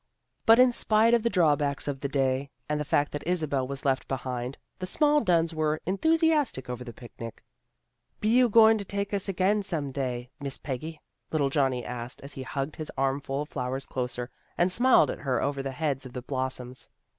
But in spite of the drawbacks of the day and the fact that Isabel was left behind, the small Dunns were enthusiastic over the picnic. " Be you goin' to take us again some day, Miss Peggy? " little Johnny asked, as he hugged his armful of flowers closer, and smiled at her over the heads of the blossoms.